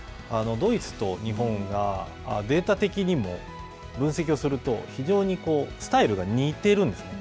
ドイツと日本がデータ的にも分析をすると非常にスタイルが似ているんですね。